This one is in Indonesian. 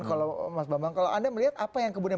kalau mas bambang kalau anda melihat apa yang kemudian